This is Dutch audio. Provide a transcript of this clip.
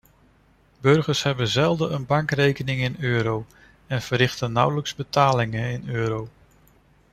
Burgers hebben zelden een bankrekening in euro en verrichten nauwelijks betalingen in euro.